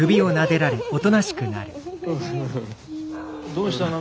どうしたの？